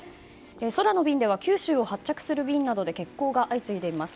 空の便では九州を発着する便などで欠航が相次いでいます。